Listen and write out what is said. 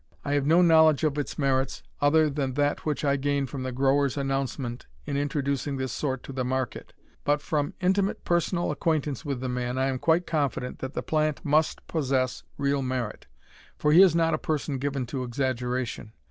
I have no knowledge of its merits other than that which I gain from the grower's announcement in introducing this sort to the market, but from intimate personal acquaintance with the man I am quite confident that the plant must possess real merit, for he is not a person given to exaggeration.